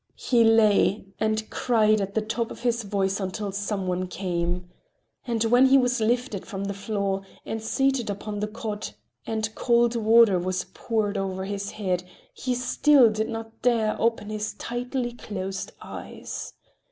He lay; and cried at the top of his voice until some one came. And when he was lifted from the floor and seated upon the cot, and cold water was poured over his head, he still did not dare open his tightly closed eyes.